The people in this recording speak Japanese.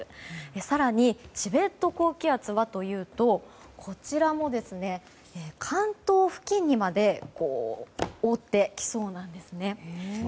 更に、チベット高気圧はというとこちらも関東付近まで覆ってきそうなんです。